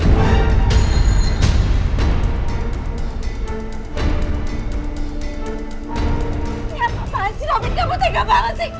siapa apaan sih robin kamu tega banget sih